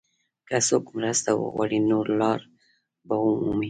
که څوک مرسته وغواړي، نو لار به ومومي.